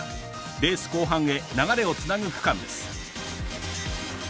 レース後半へ流れをつなぐ区間です。